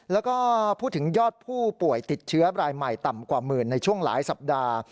แล้วก็พูดถึงยอดผู้ป่วยติดเชื้อรายใหม่ต่ำกว่าหมื่นในช่วงหลายสัปดาห์